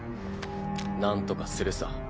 なんとかするさ。